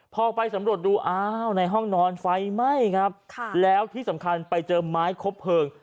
พอไปสำรวจดูอ้าวในห้องนอนไฟไหม้ครับแล้วที่สำคัญไปเจอไม้คบเพลิง